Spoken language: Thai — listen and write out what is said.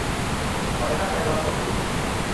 ขอให้ท่านได้รับผลบุญนี้